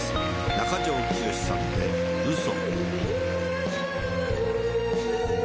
中条きよしさんで『うそ』。